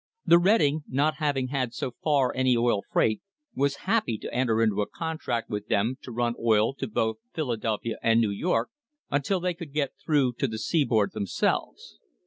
The Reading, not having had so far any oil freight, was happy to enter into a contract with them to run oil to both Philadelphia and New York until they could get through to the seaboard themselves.